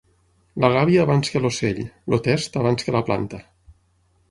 La gàbia abans que l'ocell, el test abans que la planta.